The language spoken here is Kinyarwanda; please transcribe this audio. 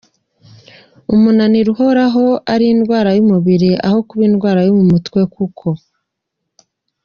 umunaniro uhoraho ari indwara y’umubiri aho kuba indwara yo mu mutwe kuko